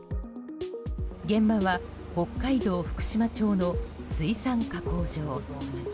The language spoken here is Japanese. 現場は北海道福島町の水産加工場。